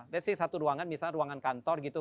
let's say satu ruangan misalnya ruangan kantor gitu